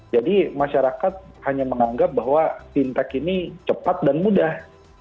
jadi masyarakat hanya menganggap bahwa fintech ini cepat dan mudah